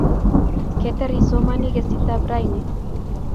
ketar isomani kasetitab raini?